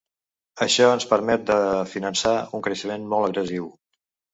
Això ens permet de finançar un creixement molt agressiu.